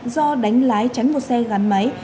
do đánh lái tránh một xe gắn máy